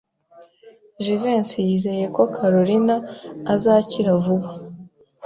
Jivency yizeye ko Kalorina azakira vuba.